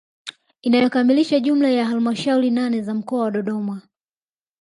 Inayokamilisha jumla ya halamashauri nane za mkoa wa Dodoma